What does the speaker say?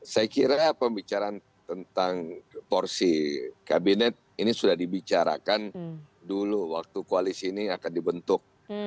saya kira pembicaraan tentang porsi kabinet ini sudah dibicarakan dulu waktu koalisi ini akan dibentuk